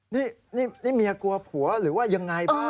นี่นี่เมียกลัวผัวหรือว่ายังไงบ้าง